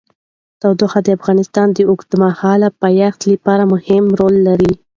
تودوخه د افغانستان د اوږدمهاله پایښت لپاره مهم رول لري.